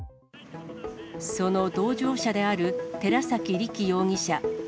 その同乗者である寺崎太尊容疑者。